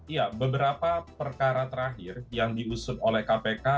ya beberapa perkara terakhir yang diusut oleh kpk